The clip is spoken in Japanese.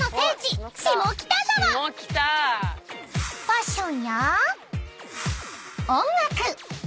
［ファッションや音楽］